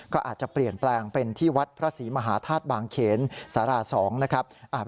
ก็อาจจะเปลี่ยนแปลงเป็นที่วัดพระศรีมหาธาตุบางเขนสารา๒นะครับ